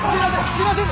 すいません！